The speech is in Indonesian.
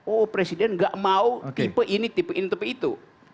oh presiden tidak mau tipe ini tipe itu